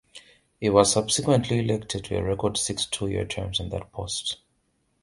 He was subsequently elected to a record six two-year terms in that post.